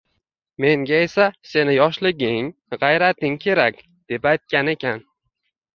menga esa sening yoshliging, g‘ayrating kerak”, deb aytgan ekan.